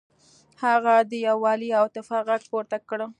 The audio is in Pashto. هغه د یووالي او اتفاق غږ پورته کړ.